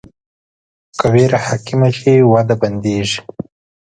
خو که ویره حاکمه شي، وده بندېږي.